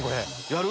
やる？